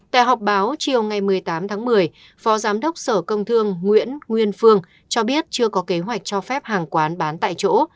tại họp báo chiều ngày một mươi tám tháng một mươi phó giám đốc sở công thương nguyễn nguyên phương cho biết chưa có kế hoạch cho phép hàng quán bán tại chỗ